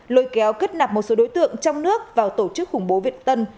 lôi kéo kết nạp một số đối tượng trong nước vào tổ chức khủng bố việt tân